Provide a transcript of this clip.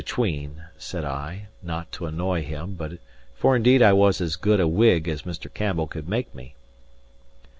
"Betwixt and between," said I, not to annoy him; for indeed I was as good a Whig as Mr. Campbell could make me.